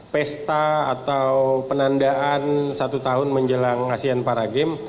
pesta atau penandaan satu tahun menjelang asean paragames